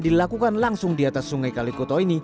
dilakukan langsung di atas sungai kalikoto ini